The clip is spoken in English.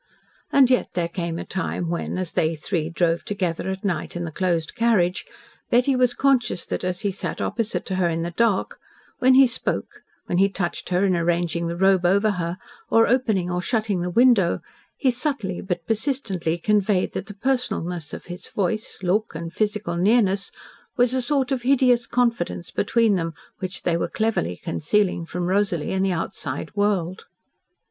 And yet there came a time when, as they three drove together at night in the closed carriage, Betty was conscious that, as he sat opposite to her in the dark, when he spoke, when he touched her in arranging the robe over her, or opening or shutting the window, he subtly, but persistently, conveyed that the personalness of his voice, look, and physical nearness was a sort of hideous confidence between them which they were cleverly concealing from Rosalie and the outside world.